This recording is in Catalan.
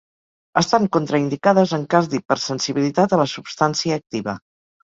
Estan contraindicades en cas d'hipersensibilitat a la substància activa.